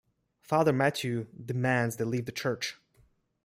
Father Matthew demands they leave the church.